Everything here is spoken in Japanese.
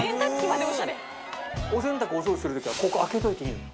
お洗濯お掃除する時はここ開けといていいのよ。